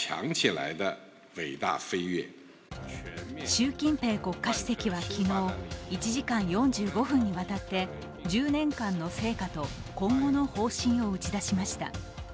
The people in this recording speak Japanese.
習近平国家主席は昨日１時間４５分にわたって１０年間の成果と今後の方針を打ち出しました。